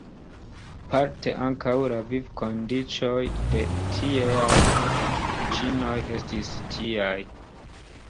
Parte ankaŭ la vivkondiĉoj de tieaj ĉinoj estis tiaj.